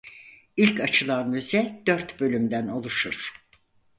İlk açılan müze dört bölümden oluşur.